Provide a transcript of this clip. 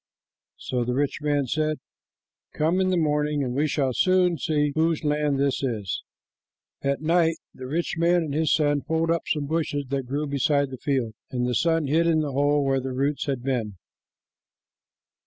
So the rich man said, "Come in the morning, and we shall soon see whose land this is." At night the rich man and his son pulled up some bushes that grew beside the field, and the son hid in the hole where their roots had been.